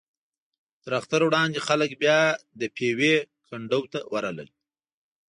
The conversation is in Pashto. تر اختر وړاندې خلک بیا د پېوې کنډو ته ورغلل.